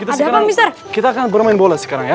kita sekarang kita akan bermain bola sekarang ya